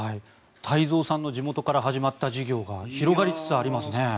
太蔵さんの地元から始まった事業が広がりつつありますね。